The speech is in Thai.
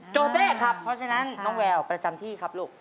โจเต้ครับเพราะฉะนั้นน้องแววประจำที่ครับลูก